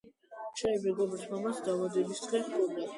ჩემი მეგობრის მამას დაბადებისდღე ჰქონდა.